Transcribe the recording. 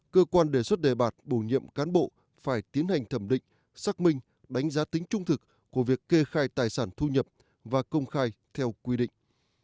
cơ quan đề xuất đề bạt bổ nhiệm cán bộ phải tiến hành thẩm định xác minh đánh giá tính trung thực của việc kê khai tài sản thu nhập và công khai theo quy định